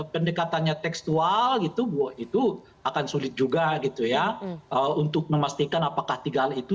pendekatannya tekstual gitu itu akan sulit juga gitu ya untuk memastikan apakah tiga hal itu